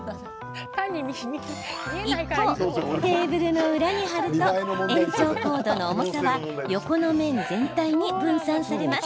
一方、テーブルの裏に貼ると延長コードの重さは横の面全体に分散されます。